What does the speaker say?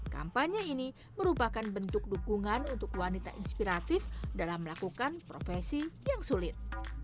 kampanye ini merupakan bentuk dukungan untuk wanita inspiratif dalam melakukan profesi yang sulit